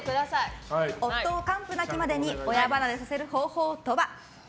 夫を完膚なきまでに親離れさせる方法とは。